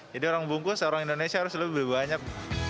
jadi orang bungkus orang indonesia harus lebih banyak